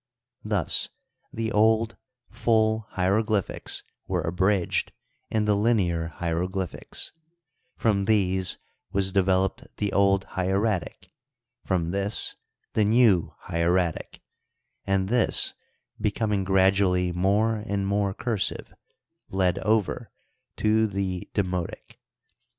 Thus the old, full hieroglyphics were abridged in the linear hieroglyphics, from these was developed the old hieratic, from this the new hieratic, and this, becom ing gradually more and more cursive, led over to the Demotic.